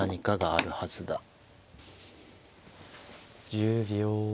１０秒。